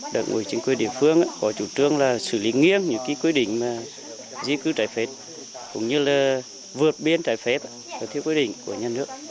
đội ngũ chính quyền địa phương có chủ trương xử lý nghiêm những quy định di cư trái phép cũng như vượt biên trái phép thiếu quy định của nhân dưỡng